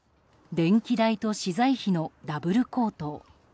電気代と資材費のダブル高騰。